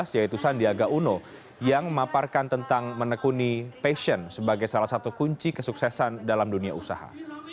yaitu sandiaga uno yang memaparkan tentang menekuni passion sebagai salah satu kunci kesuksesan dalam dunia usaha